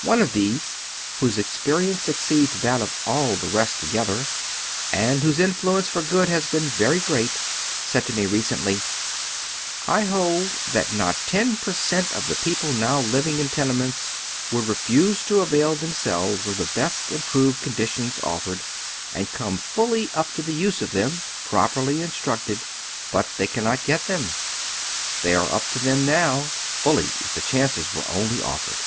One of these, whose experience exceeds that of all of the rest together, and whose influence for good has been very great, said to me recently :" I hold that not ten per cent, of the people now living in tenements would refuse to avail themselves of the best improved con ditions offered, and come fully up to the use of them, prop .yGoQgk 280 HOW THE OTHEE HALF LIVES. erly iustrueted ; fjut they cannot get them. Tliey are up to tliem now, fully, if tlie chances were only offered.